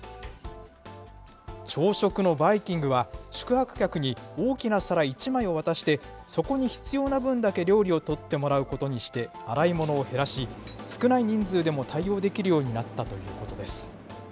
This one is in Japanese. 朝食のバイキングは、宿泊客に大きな皿１枚を渡して、そこに必要な分だけ料理を取ってもらうことにして、洗い物を減らし、少ない人数でも対応できるようになったということです。